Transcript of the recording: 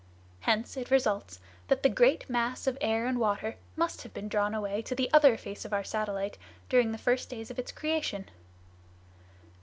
Hence it results that the great mass of air and water must have been drawn away to the other face of our satellite during the first days of its creation."